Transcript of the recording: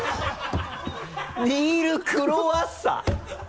ニールクロワッサ？